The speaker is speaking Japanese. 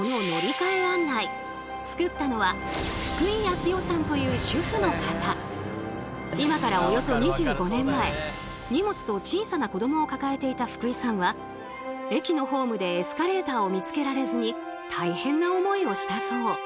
そう今ではおなじみのこの今からおよそ２５年前荷物と小さな子どもを抱えていた福井さんは駅のホームでエスカレーターを見つけられずに大変な思いをしたそう。